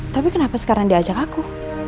tapi kenapa sekarang diajak aku